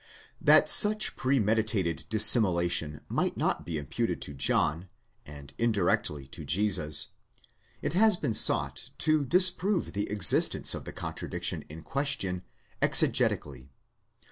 }" That such premeditated dissimulation might not be imputed to John, and indirectly to Jesus, it has been sought to disprove the existence of the contra diction in question exegetically.